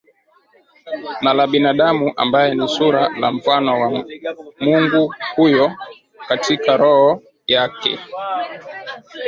na la binadamu ambaye ni sura na mfano wa Mungu Huyo katika roho yake